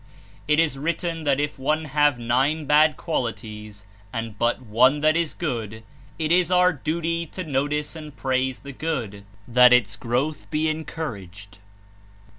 It is written that if one have nine bad qualities and but one that Is good, it is our duty to notice and praise the good that Its growth be encouraged.